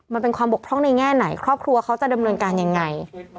มันเป็นความบกพร่องในแง่ไหนครอบครัวเขาจะดำเนินการยังไง